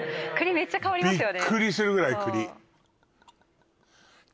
めっちゃ香りますよね